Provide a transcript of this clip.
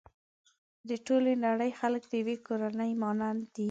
د ټولې نړۍ خلک د يوې کورنۍ مانند دي.